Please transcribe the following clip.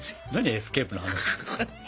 エスケープの話って。